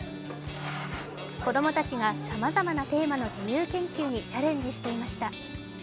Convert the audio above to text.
子供たちがさまざまなテーマの自由研究にチャレンジしていました。